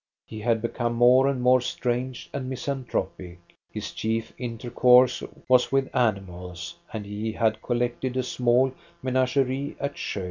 He had become more and more strange and misanthropic. His chief intercourse was with animals, and he had collected a small menagerie at Sjo.